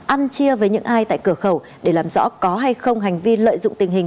ăn chia với những ai tại cửa khẩu để làm rõ có hay không hành vi lợi dụng tình hình